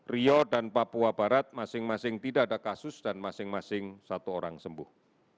rio dan papua barat masing masing tidak ada kasus dan masing masing satu orang sembuh